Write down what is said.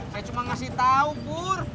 saya cuma ngasih tau pur